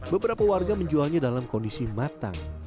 beberapa warga menjualnya dalam kondisi matang